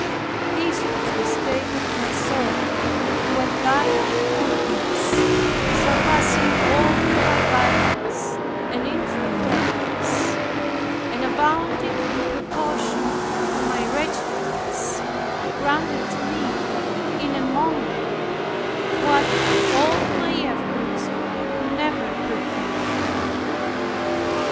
This was the state of my soul when Thy goodness, surpassing all my vileness and infidelities, and abounding in proportion to my wretchedness, granted me in a moment, what all my own efforts could never procure.